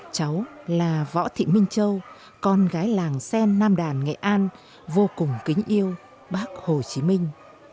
cháu là võ thị minh châu con gái làng sen nam đàn nghệ an vô cùng kính yêu bác hồ chí minh